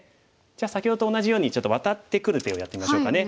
じゃあ先ほどと同じようにちょっとワタってくる手をやってみましょうかね。